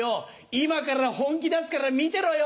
今から本気出すから見てろよ！